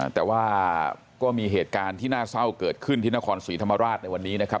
แต่ว่าก็มีเหตุการณ์ที่น่าเศร้าเกิดขึ้นที่นครศรีธรรมราชในวันนี้นะครับ